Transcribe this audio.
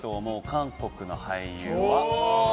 韓国俳優は？